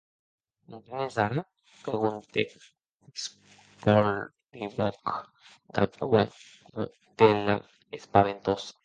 Comprenes ara?, preguntèc Raskolnikov damb ua potèla espaventosa.